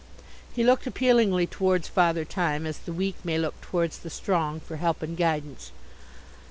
He looked appealingly towards Father Time, as the weak may look towards the strong, for help and guidance.